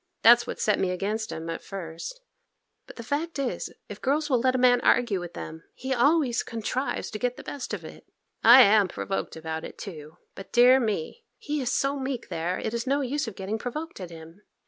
That's what set me against him at first; but the fact is, if girls will let a man argue with them, he always contrives to get the best of it. I am provoked about it too; but dear me! he is so meek there is no use of getting provoked at him.